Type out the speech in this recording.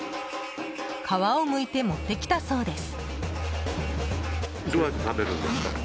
皮を剥いて持ってきたそうです。